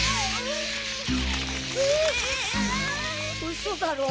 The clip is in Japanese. うそだろ。